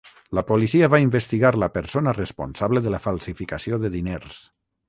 La policia va investigar la persona responsable de la falsificació de diners.